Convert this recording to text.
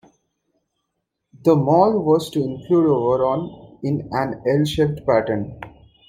The mall was to include over on in an L-shaped pattern.